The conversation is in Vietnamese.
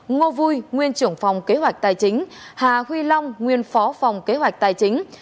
ngô vui nguyên trưởng phòng kế hoạch tài chính hà huy long nguyên phó phòng kế hoạch tài chính